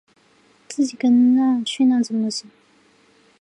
自己跟去那怎么行